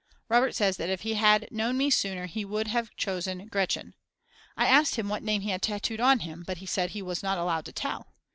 Robert says that if he had known me sooner he would have chosen "Gretchen." I asked him what name he had tattooed on him, but he said he was not allowed to tell.